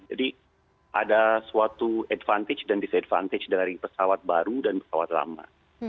jadi ada suatu advantage dan disadvantage dari pesawat baru dan pesawat lama